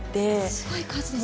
すごい数ですね。